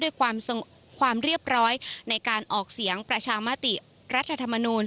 ด้วยความเรียบร้อยในการออกเสียงประชามติรัฐธรรมนูล